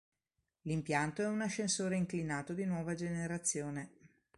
L'impianto è un ascensore inclinato di nuova generazione.